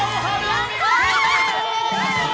お見事！